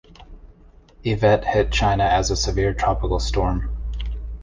Yvette hit China as a severe tropical storm.